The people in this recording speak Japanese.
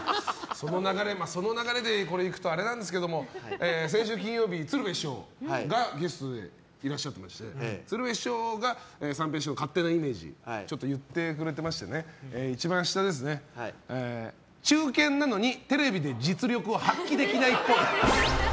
その流れでいくとあれなんですけど先週金曜日、鶴瓶師匠がゲストでいらっしゃってまして鶴瓶師匠が三平師匠の勝手なイメージを言ってくれてまして中堅なのにテレビで実力を発揮できないっぽい。